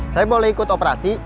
saya boleh ikut operasi